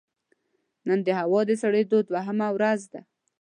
نن د هوا د سړېدو دوهمه ورځ ده